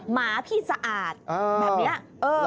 หมาพี่สะอาดแบบนี้